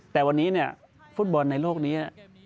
แต่วันนี้ฟุตบอลในโลกนี้